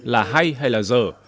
là hay hay là dở